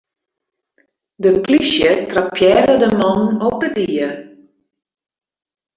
De polysje trappearre de mannen op 'e die.